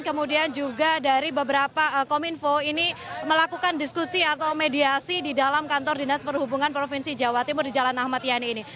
kemudian juga dari beberapa kominfo ini melakukan diskusi atau mediasi di dalam kantor dinas perhubungan provinsi jawa timur di jalan ahmad yani ini